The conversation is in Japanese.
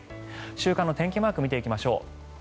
週間の天気マークを見ていきましょう。